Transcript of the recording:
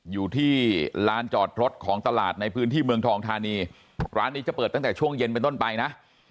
อยู่ที่ลานจอดรถของตลาดในพื้นที่เมืองทองธานีร้านนี้จะเปิดตั้งแต่ช่วงเย็นเป็นต้นไปนะ